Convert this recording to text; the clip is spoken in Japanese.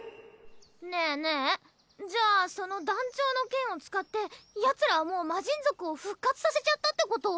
ねえねえじゃあその団長の剣を使ってヤツらはもう魔神族を復活させちゃったってこと？